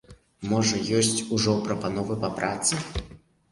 Можа, ёсць ужо прапановы па працы?